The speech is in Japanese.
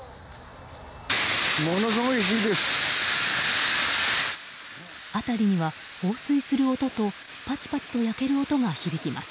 ものすごい火です。